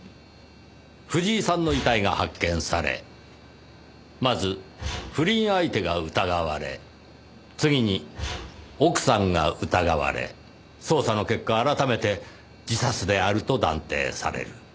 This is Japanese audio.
藤井さんの遺体が発見されまず不倫相手が疑われ次に奥さんが疑われ捜査の結果改めて自殺であると断定される。